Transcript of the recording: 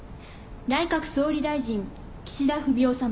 内閣総理大臣、岸田文雄様。